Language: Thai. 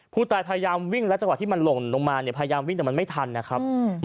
ผู้ตายพยายามวิ่งและจังหวะที่มันหล่นลงมาเนี่ยพยายามวิ่งแต่มันไม่ทันนะครับ